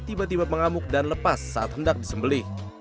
tiba tiba mengamuk dan lepas saat hendak disembeli